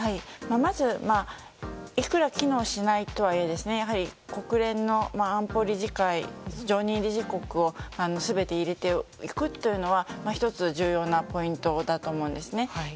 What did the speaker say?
まず、いくら機能しないとはいえやはり国連の安保理常任理事国を全て入れていくというのは１つ重要なポイントだと思うんですね。